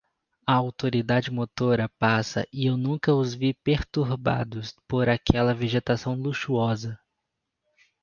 A autoridade motora passa e eu nunca os vi perturbados por aquela vegetação luxuosa.